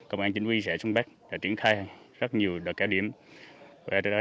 công an chính quy xã trung bắc đã triển khai rất nhiều đợt kéo điểm